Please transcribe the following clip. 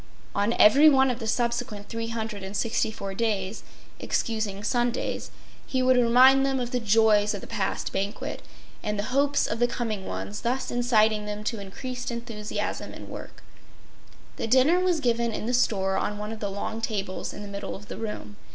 On every one of the subsequent 364 days, excusing Sundays, he would remind them of the joys of the past banquet and the hopes of the coming ones, thus inciting them to increased enthusiasm in work. The dinner was given in the store on one of the long tables in the middle of the room.